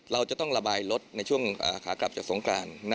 เราจะต้องระบายรถในช่วงขากลับจากสงกราน